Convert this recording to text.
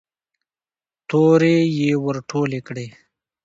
تورې يې ور ټولې کړې.